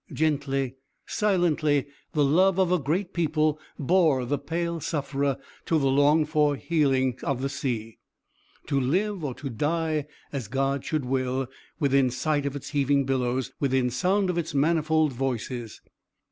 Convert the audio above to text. Gently, silently, the love of a great people bore the pale sufferer to the longed for healing of the sea, to live or to die, as God should will, within sight of its heaving billows, within sound of its manifold voices.